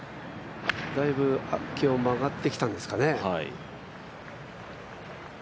だいぶ気温も上がってきたんですかね。